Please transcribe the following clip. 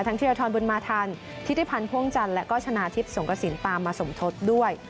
ทั้งทีรียอทรอนบุญมาทันทิศพันธ์พ่วงจันทร์แล้วก็ชนะทิศสงกสินปามาสมทดด้วย